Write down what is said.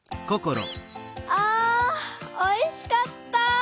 あおいしかった。